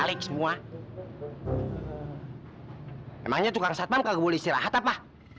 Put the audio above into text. intinya lo tuh kerjanya harus lebih rapi